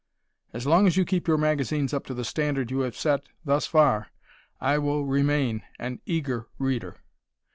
As long as you keep your magazine up to the standard you have set thus far, I will remain an eager reader.